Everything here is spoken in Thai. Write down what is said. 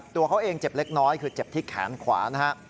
ตัวเขาเองเจ็บเล็กน้อยคือเจ็บที่แขนขวานะฮะ